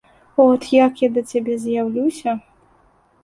От як я да цябе з'яўлюся.